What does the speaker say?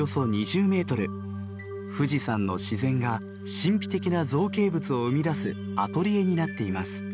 富士山の自然が神秘的な造形物を生み出すアトリエになっています。